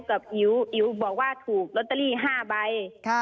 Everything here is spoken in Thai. อิ๋วอิ๋วบอกว่าถูกลอตเตอรี่๕ใบ